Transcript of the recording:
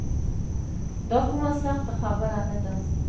دا کومه سخته خبره نه ده.